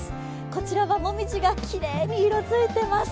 こちらは、もみじがきれいに色づいています。